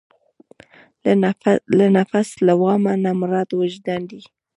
له نفس لوامه نه مراد وجدان دی.